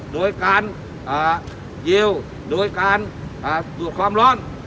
โดยการเยียวยาโดยการดูดความร้อน